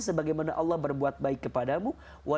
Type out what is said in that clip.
sebagaimana allah berbuat baik kepadamu